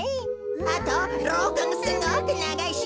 あとろうかもすごくながいし。